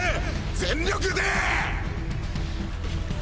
全力でえ！